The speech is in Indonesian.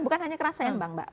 bukan hanya kerasiaan mbak